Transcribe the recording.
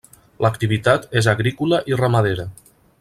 L'activitat és agrícola i ramadera.